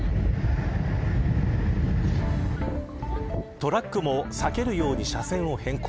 トラックも避けるように車線を変更。